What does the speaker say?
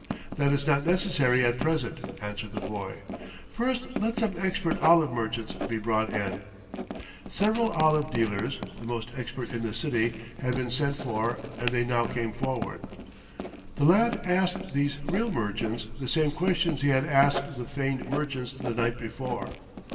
"That is not necessary at present," answered the boy. "First let some expert olive merchants be brought in." Several olive dealers, the most expert in the city, had been sent for, and they now came forward. The lad asked these real merchants the same questions he had asked of the feigned merchants the night before.